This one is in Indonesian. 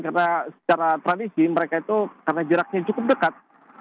karena secara tradisi mereka itu karena jaraknya cukup dekat